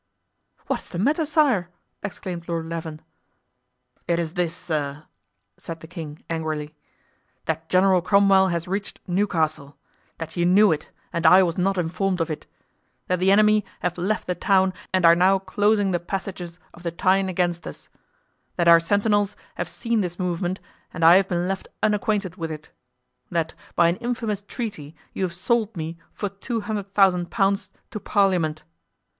"What is the matter, sire?" exclaimed Lord Leven. "It is this, sir," said the king, angrily, "that General Cromwell has reached Newcastle; that you knew it and I was not informed of it; that the enemy have left the town and are now closing the passages of the Tyne against us; that our sentinels have seen this movement and I have been left unacquainted with it; that, by an infamous treaty you have sold me for two hundred thousand pounds to Parliament.